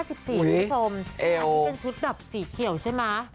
อันนี้เป็นชุดแบบสีเขียวใช่ไหม